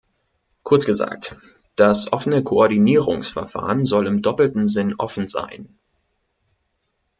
Kurz gesagt, das offene Koordinierungsverfahren soll im doppelten Sinn offen sein.